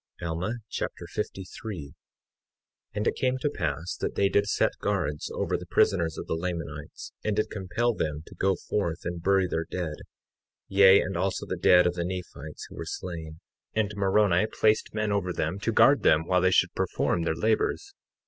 Alma Chapter 53 53:1 And it came to pass that they did set guards over the prisoners of the Lamanites, and did compel them to go forth and bury their dead, yea, and also the dead of the Nephites who were slain; and Moroni placed men over them to guard them while they should perform their labors.